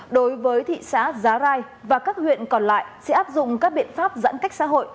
đối với thị xã giá rai và các huyện còn lại sẽ áp dụng các biện pháp giãn cách xã hội